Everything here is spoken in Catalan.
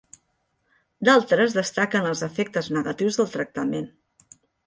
D'altres destaquen els efectes negatius del tractament.